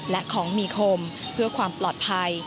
และของมีคมเพื่อความปลอดภัย